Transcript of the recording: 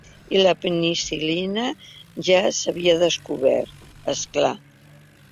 I la penicil·lina ja s’havia descobert, és clar.